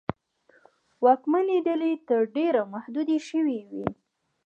واکمنې ډلې تر ډېره محدودې شوې وې.